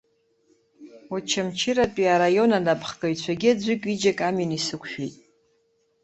Очамчыратәи араион анапхгаҩцәагьы аӡәык-ҩыџьак амҩан исықәшәеит.